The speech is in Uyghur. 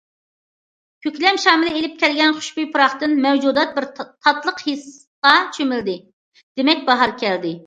كۆكلەم شامىلى ئېلىپ كەلگەن خۇشبۇي پۇراقتىن مەۋجۇدات بىر تاتلىق ھېسقا چۆمۈلدى... دېمەك، باھار كەلدى!